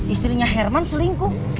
istrinya herman selingkuh